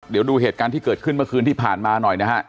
เดี๋ยวดูเหตุการณ์ที่เกิดขึ้นเมื่อคืนที่ผ่านมาหน่อยนะฮะ